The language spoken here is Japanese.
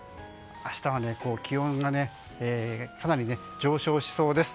明日は気温がかなり上昇しそうです。